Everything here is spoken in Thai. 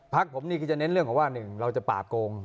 พักผมนี่ก็จะเน้นเรื่องของว่าหนึ่งเราจะป่าโกง